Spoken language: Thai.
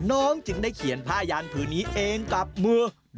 น้องจึงได้เขียนผ้ายานผืนนี้เองกับมือ